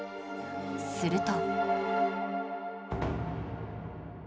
すると